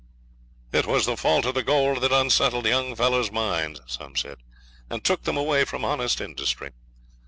'It was the fault of the gold that unsettled young fellows' minds,' some said, 'and took them away from honest industry.'